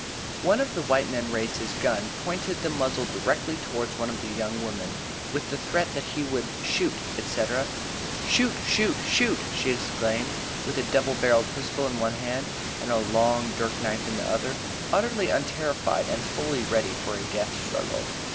One of the white men raised his gun, pointing the muzzle directly towards one of the young women, with the threat that he would "shoot," etc. "Shoot! shoot!! shoot!!!" she exclaimed, with a double barrelled pistol in one hand and a long dirk knife in the other, utterly unterrified and fully ready for a death struggle.